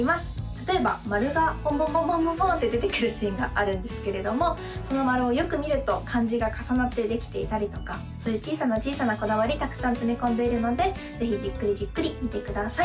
例えば丸がポンポンポンポンポンポンって出てくるシーンがあるんですけれどもその丸をよく見ると漢字が重なってできていたりとかそういう小さな小さなこだわりたくさん詰め込んでいるのでぜひじっくりじっくり見てください